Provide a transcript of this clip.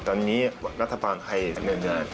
ตอนนี้รัฐบาลให้เนินเดิน